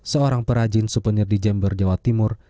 seorang perajin suvenir di jember jawa timur